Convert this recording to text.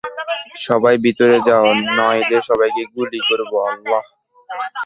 সবাই ভিতরে যাও, নইলে সবাইকে গুলি করবো আল্লাহ!